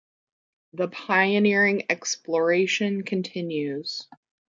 The pioneering exploration continues.